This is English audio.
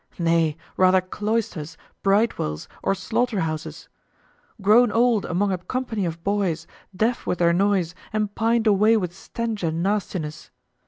Nay, rather cloisters, bridewells, or slaughterhouses grown old among a company of boys, deaf with their noise, and pined away with stench and nastiness.